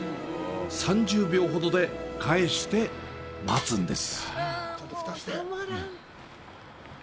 ３０秒ほどで返して待つんです。